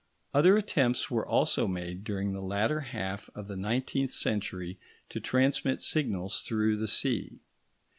Other attempts were also made during the latter half of the nineteenth century to transmit signals through the sea.